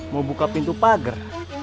mau buka pintu pagar